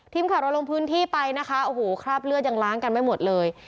ทีมข่าวเราลงพื้นที่ไปนะคะโอ้โหคราบเลือดยังล้างกันไม่หมดเลย